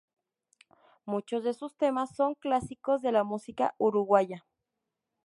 Muchos de sus temas son clásicos de la música uruguaya.